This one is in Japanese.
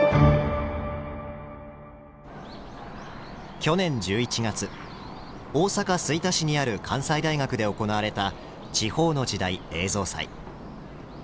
去年１１月大阪・吹田市にある関西大学で行われた「地方の時代」映像祭。